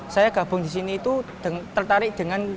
saya gabung disini itu tertarik dengan